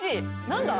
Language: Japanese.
何だ？